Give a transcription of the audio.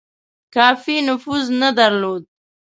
کافي نفوذ نه درلود.